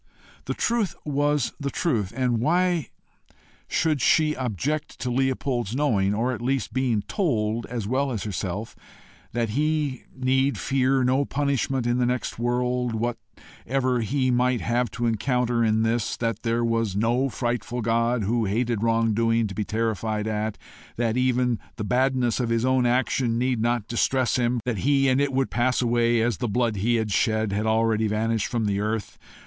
The truth was the truth, and why should she object to Leopold's knowing, or at least being told as well as herself, that he need fear no punishment in the next world, whatever he might have to encounter in this; that there was no frightful God who hated wrong doing to be terrified at; that even the badness of his own action need not distress him, for he and it would pass away as the blood he had shed had already vanished from the earth?